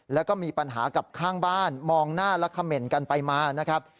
แล้วก็มีปัญหากับข้างบ้านมองหน้าและเขม่นกันไปมานะครับ